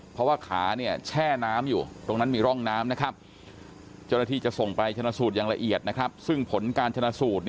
เพราะว่าขาเนี่ยแช่น้ำอยู่